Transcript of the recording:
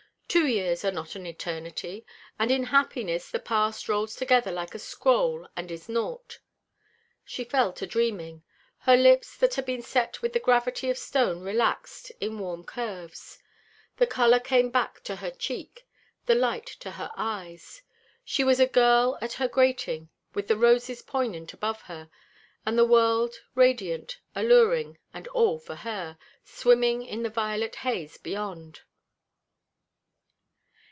Two years are not eternity, and in happiness the past rolls together like a scroll and is naught. She fell to dreaming. Her lips that had been set with the gravity of stone relaxed in warm curves. The color came back to her cheek, the light to her eyes. She was a girl at her grating with the roses poignant above her, and the world, radiant, alluring, and all for her, swimming in the violet haze beyond.